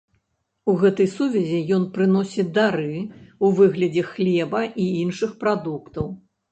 У гэтай сувязі ёй прыносяць дары ў выглядзе хлеба і іншых прадуктаў.